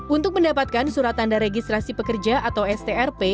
untuk mendapatkan surat tanda registrasi pekerja atau strp